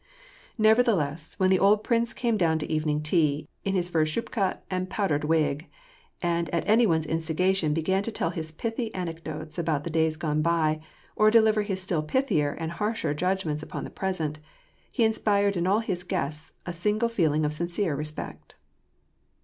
Nevertheless, when the old prince came down to evening tea, in his fur shubka and powdered wig, and at any one's instigation began to tell his pithy anecdotes about the days gone by, or deliver his still pithier and harsher judgments upon the present, he inspired in all his guests a single feeling or sincere respect.